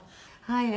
はい。